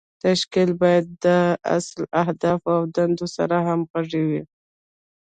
تشکیل باید د اصلي اهدافو او دندو سره همغږی وي.